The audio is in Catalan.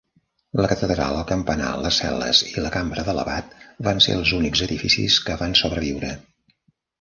La catedral, el campanar, les cel·les i la cambra de l'abat van ser els únics edificis que van sobreviure.